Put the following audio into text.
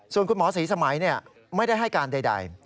ส่วนคุณหมอศรีสมัยไม่ได้ให้การใด